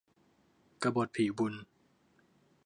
กบฏผีบุญ